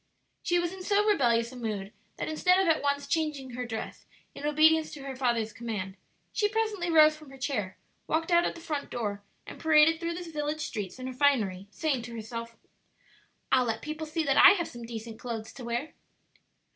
She was in so rebellious a mood that instead of at once changing her dress in obedience to her father's command, she presently rose from her chair, walked out at the front door and paraded through the village streets in her finery, saying to herself, "I'll let people see that I have some decent clothes to wear."